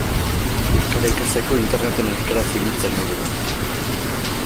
Euskara ikasteko Interneten euskaraz ibiltzea nahi dugu.